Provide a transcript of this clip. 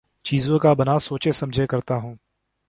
چیزوں کا بنا سوچے سمجھے کرتا ہوں